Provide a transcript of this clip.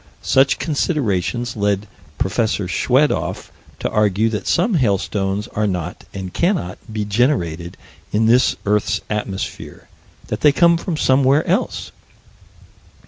Such considerations led Prof. Schwedoff to argue that some hailstones are not, and cannot, be generated in this earth's atmosphere that they come from somewhere else.